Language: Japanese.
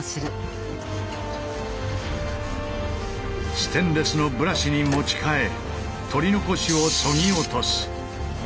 ステンレスのブラシに持ち替え取り残しを削ぎ落とす。